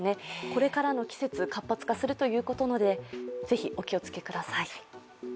これからの季節、活発化するということなのでぜひお気をつけください。